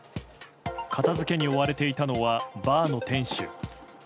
片付けに追われていたのはバーの店主。